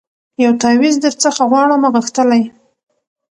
یو تعویذ درڅخه غواړمه غښتلی